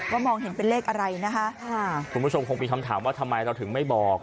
มองเห็นเป็นเลขอะไรนะคะค่ะคุณผู้ชมคงมีคำถามว่าทำไมเราถึงไม่บอก